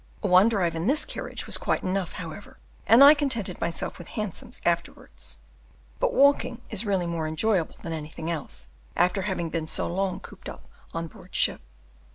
One drive in this carriage was quite enough, however, and I contented myself with Hansoms afterwards; but walking is really more enjoyable than anything else, after having been so long cooped up on board ship.